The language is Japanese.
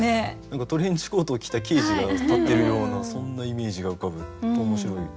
何かトレンチコートを着た刑事が立ってるようなそんなイメージが浮かぶと面白い。